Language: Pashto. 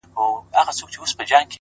دغه نجلۍ نن و هيندارې ته موسکا ورکوي”